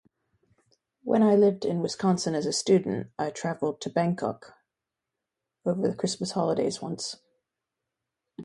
When I lived in Wisconsin as a student, I traveled to Bangkok over the Christmas holidays once.